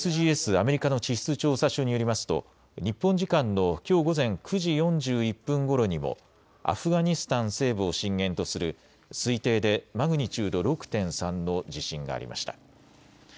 ・アメリカの地質調査所によりますと日本時間のきょう午前９時４１分ごろにもアフガニスタン西部を震源とする推定でマグニチュード６．３の地震がありました。